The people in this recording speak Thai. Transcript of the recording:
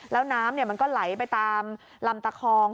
แล้วน้ำมันก็ไหลไปตามลำตะคอง